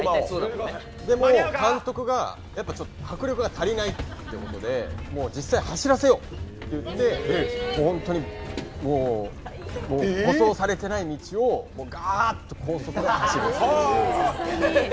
でも、監督が迫力が足りないということで実際、走らせようって言って、本当に舗装されていない道を、がーっと高速で走るっていう。